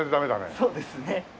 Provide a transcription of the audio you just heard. そうですね。